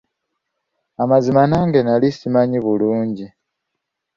Amazima nange nali simanyi bulungi.